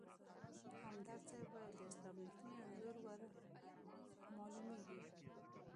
همدرد صیب ویل: د اسلام رښتیني انځور ورمالومېږي.